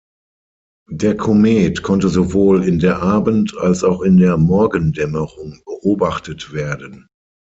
Der Komet konnte sowohl in der Abend- als auch in der Morgendämmerung beobachtet werden.